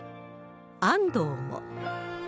安藤も。